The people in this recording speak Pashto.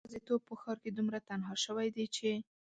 یوازیتوب په ښار کې دومره تنها شوی دی چې